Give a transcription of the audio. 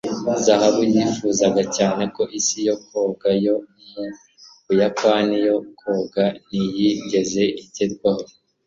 zahabu' yifuzaga cyane ko isi yo koga yo mu buyapani yo koga ntiyigeze igerwaho